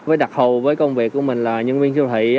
với đặc thù với công việc của mình là nhân viên siêu thị